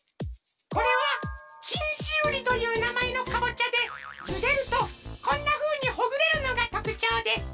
これはきんしうりというなまえのかぼちゃでゆでるとこんなふうにほぐれるのがとくちょうです。